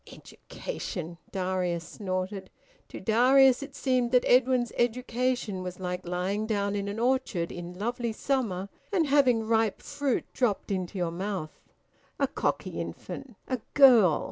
Education! ... Darius snorted. To Darius it seemed that Edwin's education was like lying down in an orchard in lovely summer and having ripe fruit dropped into your mouth... A cocky infant! A girl!